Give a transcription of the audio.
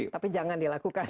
tapi jangan dilakukan